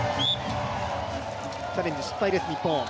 チャレンジ失敗です、日本。